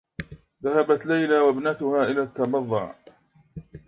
ذهبت ليلى و ابنتها إلى التّبضّع.